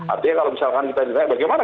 artinya kalau misalkan kita ditanya bagaimana